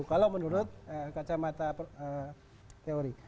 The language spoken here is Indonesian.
kalau menurut kacamata teori